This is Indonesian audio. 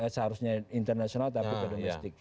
seharusnya internasional tapi domestik